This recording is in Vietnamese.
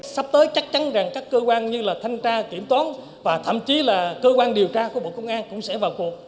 sắp tới chắc chắn rằng các cơ quan như là thanh tra kiểm toán và thậm chí là cơ quan điều tra của bộ công an cũng sẽ vào cuộc